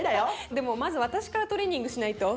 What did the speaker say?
でもまず私からトレーニングしないと。